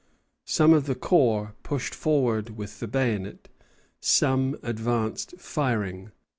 Some of the corps pushed forward with the bayonet; some advanced firing.